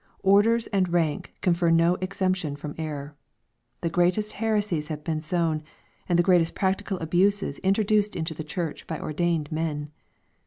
Orders and rank confer no exemption from error. The greatest heresies have been sown, and the greatest practical abuses introduced into the church by ordained men.